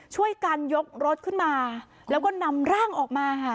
ช่วยกันยกรถขึ้นมาแล้วก็นำร่างออกมาค่ะ